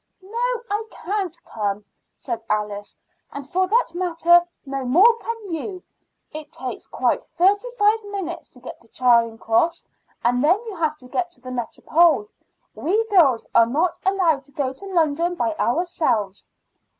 "No, I can't come," said Alice; "and for that matter no more can you. It takes quite thirty five minutes to get to Charing Cross, and then you have to get to the Métropole. We girls are not allowed to go to London by ourselves."